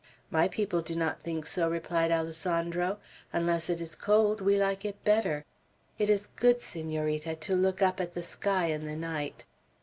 "My people do not think so," replied Alessandro; "unless it is cold, we like it better. It is good, Senorita, to look up at the sky in the night."